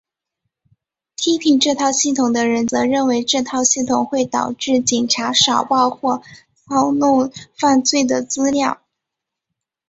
批评这套系统的人则认为这套系统会导致警察少报或操弄犯罪的资料。